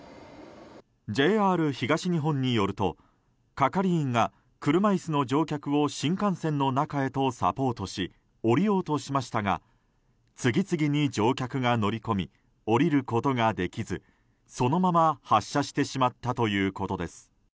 ＪＲ東日本によると、係員が車椅子の乗客を新幹線の中へとサポートし降りようとしましたが次々に乗客が乗り込み降りることができずそのまま発車してしまったということです。